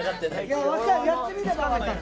いややってみれば分かる！